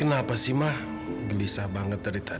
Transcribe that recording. iya aku akan ke sana